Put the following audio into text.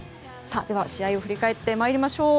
では試合を振り返ってまいりましょう。